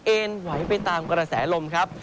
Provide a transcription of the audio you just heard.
เอ็นไหวไปตามกระแสลมครับ